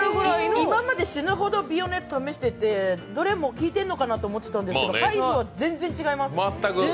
今まで死ぬほど美容のやつ試しててどれも効いてるのかと思ってたけどハイフは全然、違います